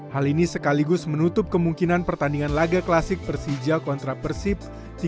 hal ini sekaligus menutup kemungkinan pertandingan laga klasik persija kontra persib